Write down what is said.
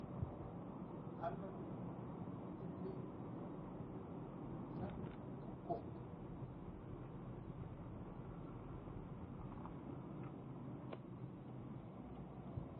Alɔ nkɛ́ lé mɛ́n nnɛn thubhɔ.